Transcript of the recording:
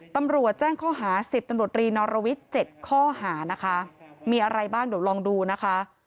ตำรวจแจ้งข้อหา๑๐ตำรวจรีนอรวิทย์๗ข้อหานะคะมีอะไรบ้างเดี๋ยวลองดูนะคะ